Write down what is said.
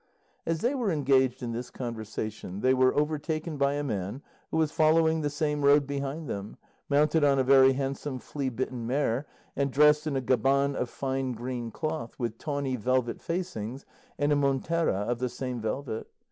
As they were engaged in this conversation they were overtaken by a man who was following the same road behind them, mounted on a very handsome flea bitten mare, and dressed in a gaban of fine green cloth, with tawny velvet facings, and a montera of the same velvet.